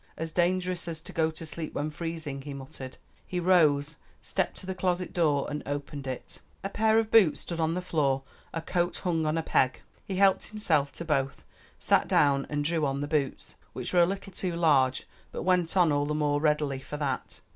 "As dangerous as to go to sleep when freezing," he muttered. He rose, stepped to the closet door, and opened it. A pair of boots stood on the floor, a coat hung on a peg. He helped himself to both, sat down and drew on the boots, which were a little too large but went on all the more readily for that.